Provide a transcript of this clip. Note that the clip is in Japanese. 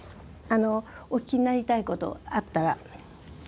あのお聞きになりたいことあったら。